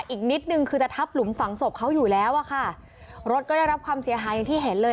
อีกนิดนึงคือจะทับหลุมฝังศพเขาอยู่แล้วอะค่ะรถก็ได้รับความเสียหายอย่างที่เห็นเลย